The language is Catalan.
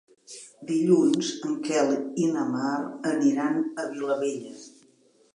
Dilluns en Quel i na Mar aniran a Vilabella.